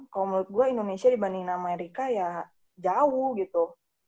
kalo menurut gua indonesia dibandingin amerika ya jauh gitu